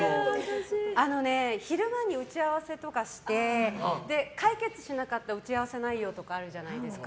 昼間に打ち合わせとかして解決しなかった打ち合わせ内容とかあるじゃないですか。